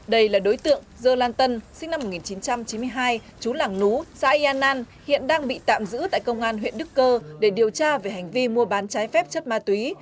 đây là đối tượng dơ lan tân sinh năm một nghìn chín trăm chín mươi hai chú lảng nú xã yên an hiện đang bị tạm giữ tại công an huyện đức cơ để điều tra về hành vi mua bán trái phép chất ma túy